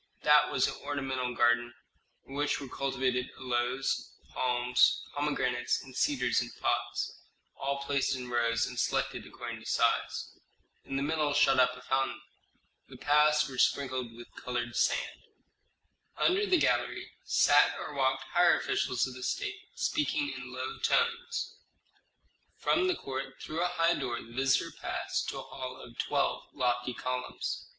That was an ornamental garden, in which were cultivated aloes, palms, pomegranates, and cedars in pots, all placed in rows and selected according to size. In the middle shot up a fountain; the paths were sprinkled with colored sand. Under the gallery sat or walked higher officials of the state, speaking in low tones. From the court, through a high door, the visitor passed to a hall of twelve lofty columns.